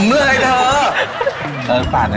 น้ำจุ่ม